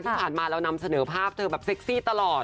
ที่ผ่านมาเรานำเสนอภาพเธอแบบเซ็กซี่ตลอด